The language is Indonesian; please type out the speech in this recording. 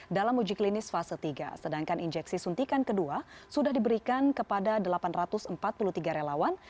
dalam uji klinis fase tiga sedangkan injeksi suntikan kedua sudah diberikan kepada delapan ratus empat puluh tiga relawan